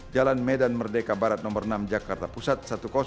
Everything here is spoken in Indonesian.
jalan medan merdeka barat no enam jakarta pusat